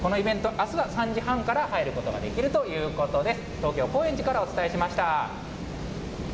このイベント、あすは３時半から入ることができるということです。